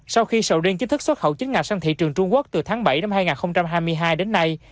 sau khi sầu riêng chính thức xuất khẩu chính ngạch sang thị trường trung quốc từ tháng bảy năm hai nghìn hai mươi hai đến nay